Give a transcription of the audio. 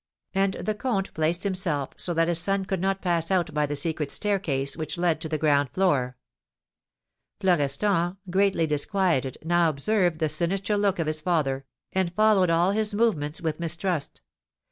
And the comte placed himself so that his son could not pass out by the secret staircase which led to the ground floor. Florestan, greatly disquieted, now observed the sinister look of his father, and followed all his movements with mistrust.